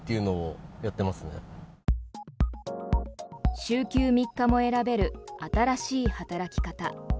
週休３日も選べる新しい働き方。